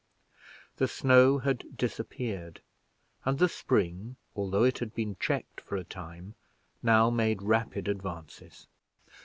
The snow had disappeared, and the spring, although it had been checked for a time, now made rapid advances.